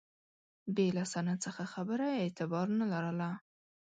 بې له سند څخه خبره اعتبار نه لرله.